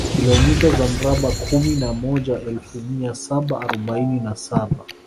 Kilomita za mraba kumi na moja elfu mia saba arobaini na saba